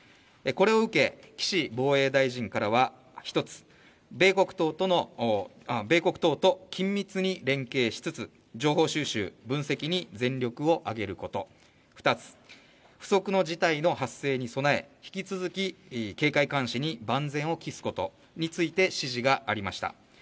これを受け、岸防衛大臣からは１つ、米国等と緊密に連携しつつ情報収集・分析に全力を挙げること２つ、不測の事態の発生に備え、引き続き警戒監視に万全を期すことについて指示がありました。